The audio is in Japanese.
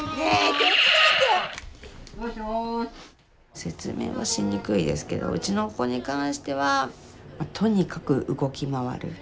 説明はしにくいですけどうちの子に関してはとにかく動き回る。